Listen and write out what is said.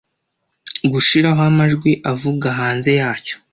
Gushiraho amajwi avuga hanze yacyo,